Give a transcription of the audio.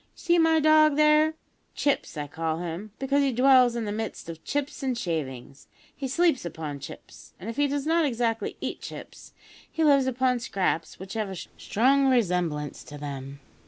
"You see my dog there Chips I call him, because he dwells in the midst of chips and shavings; he sleeps upon chips, and if he does not exactly eat chips, he lives upon scraps which have a strong resemblance to them.